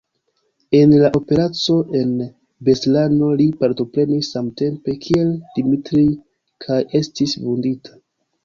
En la operaco en Beslano li partoprenis samtempe kiel Dmitrij kaj estis vundita.